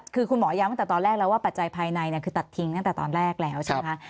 คือคุณหมอย้ำตั้งแต่ตอนแรกแล้วว่าปัจจัยภายในคือตัดทิ้งตั้งแต่ตอนแรกแล้วใช่ไหมคะ